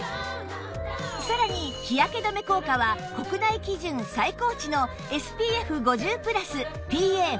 さらに日焼け止め効果は国内基準最高値の ＳＰＦ５０＋ＰＡ＋＋＋＋